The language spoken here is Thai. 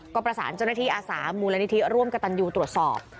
ก็ประสานเจ้าหน้าที่อาสามูลนิธิร่วมกับตันยูตรวจสอบ